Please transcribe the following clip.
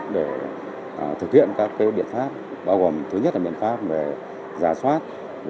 để thực hiện các biện pháp bao gồm thứ nhất là biện pháp về giả soát